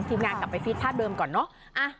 ทีมงานกลับไปฟีดภาพเดิมก่อนเนอะ